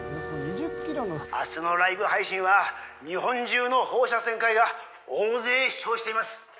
明日のライブ配信は日本中の放射線科医が大勢視聴しています。